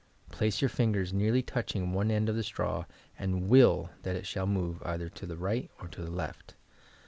Place your fingers nearly touching one end of the straw and icill that it shall move either to the right or to the left.